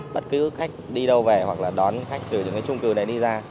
bất cứ khách đi đâu về hoặc là đón khách từ những cái trung cư này đi ra